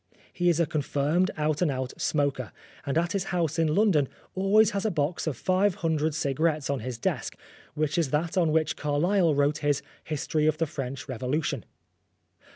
He is a confirmed, out and out smoker, and at his house in London always has a box of five hundred cigarettes on his desk, which is that on which Carlyle wrote his History of the French Revolution.